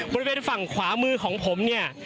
บริเวณฝั่งขวามือของผมเนี่ย